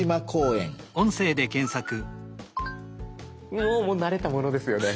おもう慣れたものですよね。